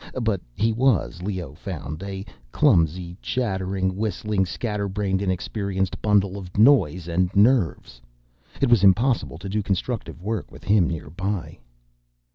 But he was, Leoh found, a clumsy, chattering, whistling, scatterbrained, inexperienced bundle of noise and nerves. It was impossible to do constructive work with him nearby.